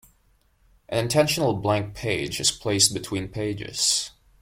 An intentional blank page is placed between pages.